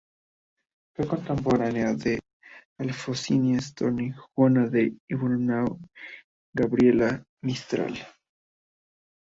Fue contemporánea de Alfonsina Storni, Juana de Ibarbourou y Gabriela Mistral.